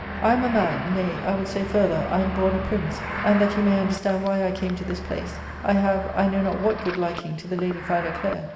I am a man ; nay, I will say further, I am bom a prince ; and, that you may understand why I came to this place, I have I know not what good liking to the lady Philoclea.